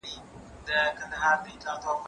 زه له سهاره کتابونه لولم؟!